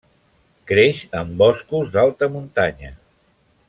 Creix en boscos d'alta muntanya.